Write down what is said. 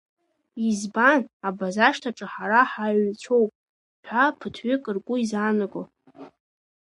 Избан, Абазашҭаҿы ҳара ҳааиҩцәоуп ҳәа ԥыҭҩык ргәы изаанаго?